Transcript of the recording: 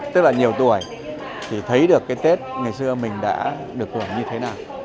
tức là nhiều tuổi thì thấy được cái tết ngày xưa mình đã được hưởng như thế nào